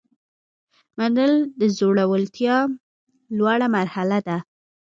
منل د زړورتیا لوړه مرحله ده.